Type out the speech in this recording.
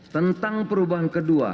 tentang perubahan kedua